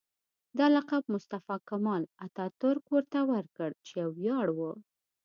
دا لقب مصطفی کمال اتاترک ورته ورکړ چې یو ویاړ و.